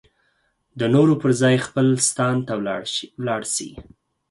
د نورو پر ځای خپل ستان ته ولاړ شي.